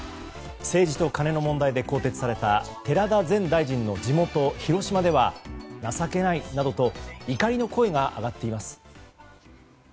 政治とカネの問題で更迭された寺田前大臣の地元・広島では、情けないなどと怒りの声が上がっています。